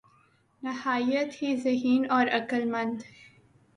نہایت ہی ذہین اور عقل مند